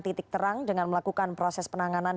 titik terang dengan melakukan proses penanganan